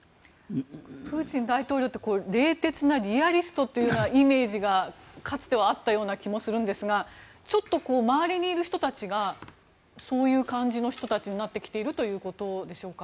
プーチン大統領って冷徹なリアリストというイメージがかつてはあったような気もするんですがちょっと周りにいる人たちがそういう感じの人たちになってきているということでしょうか。